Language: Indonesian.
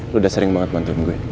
lu udah sering banget nonton gue